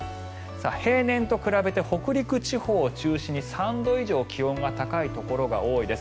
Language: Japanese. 平年と比べて北陸地方を中心に３度以上気温が高いところが多いです。